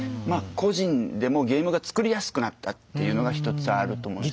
個人でもゲームが作りやすくなったっていうのが一つあると思うんですね。